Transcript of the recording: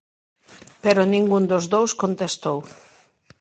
Pero ningún dos dous contestou.